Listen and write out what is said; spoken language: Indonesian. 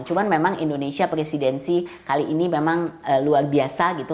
cuman memang indonesia presidensi kali ini memang luar biasa gitu